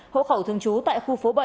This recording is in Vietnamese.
hỗ khẩu thương chú tại khu phố bảy